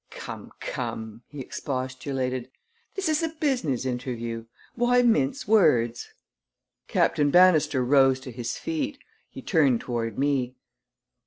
"Come, come!" he expostulated. "This is a business interview. Why mince words?" Captain Bannister rose to his feet. He turned toward me.